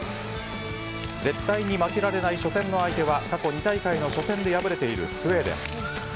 絶対に負けられない初戦の相手は過去２大会の初戦で敗れているスウェーデン。